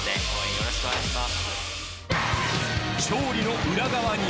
よろしくお願いします。